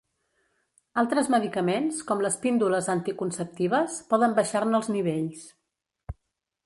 Altres medicaments, com les píndoles anticonceptives, poden baixar-ne els nivells.